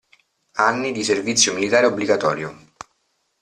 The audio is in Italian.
Anni di servizio militare obbligatorio.